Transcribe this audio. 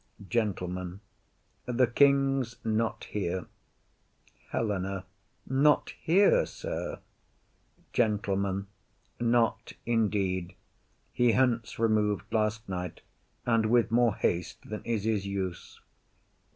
GENTLEMAN. The king's not here. HELENA. Not here, sir? GENTLEMAN. Not indeed. He hence remov'd last night, and with more haste Than is his use.